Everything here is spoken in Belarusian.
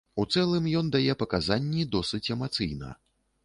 У цэлым ён дае паказанні досыць эмацыйна.